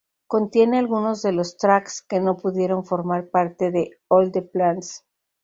Contiene algunos de los tracks que no pudieron formar parte de "All the Plans".